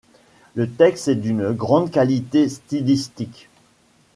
Le texte est d’une grande qualité stylistique.